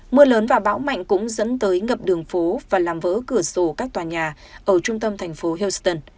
mưa lớn và bão mạnh cũng dẫn tới ngập đường phố và làm vỡ cửa sổ các tòa nhà ở trung tâm thành phố houston